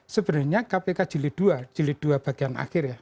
sebenarnya kpk jilid ii bagian akhir ya